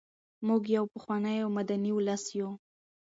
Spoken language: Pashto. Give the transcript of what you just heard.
موږ یو پخوانی او مدني ولس یو.